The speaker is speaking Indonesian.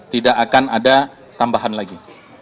tidak akan ada tambahan lagi